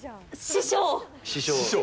師匠！